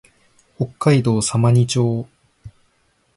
北海道様似町